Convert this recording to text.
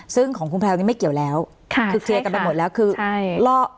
ซึ่งของคุณแพลวนี่ไม่เกี่ยวแล้วค่ะคือเคลียร์กันไปหมดแล้วคือใช่ล่อ